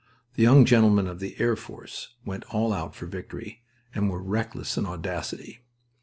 The young gentlemen of the Air Force went "all out" for victory, and were reckless in audacity.